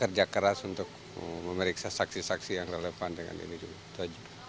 kerja keras untuk memeriksa saksi saksi yang relevan dengan ini juga